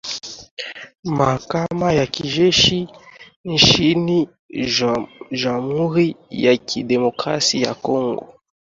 mahakama ya kijeshi nchini jamhuri ya kidemokrasi ya congo